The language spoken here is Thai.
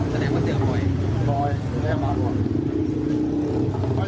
แสดงว่าเจือปล่อยปล่อยไม่ได้ปล่อย